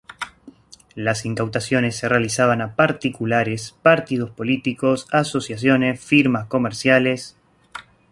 Las incautaciones se realizaban a particulares, partidos políticos, asociaciones, firmas comerciales.